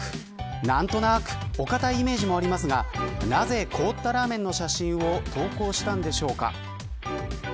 何となくお堅いイメージもありますがなぜ凍ったラーメンの写真を投稿したんでしょうか。